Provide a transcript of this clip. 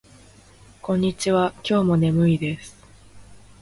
こんにちは。今日も眠いです。